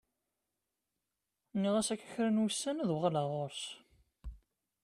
Nniɣ-as akka kra n wussan ad uɣaleɣ ɣur-s.